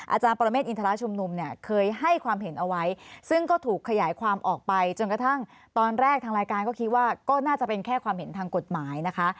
อาจารย์ปรเมฆอินทราชุมนุมเนี่ยเคยให้ความเห็นเอาไว้ซึ่งก็ถูกขยายความออกไปจนกระทั่งตอนแรกทางรายการก็คิดว่าก็น่าจะเป็นแค่ความเห็นทางกฎหมายนะคะ